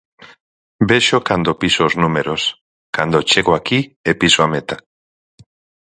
Vexo cando piso os números, cando chego aquí e piso a meta.